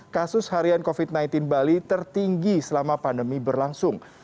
kasus harian covid sembilan belas bali tertinggi selama pandemi berlangsung